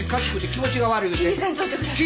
気にせんといてください。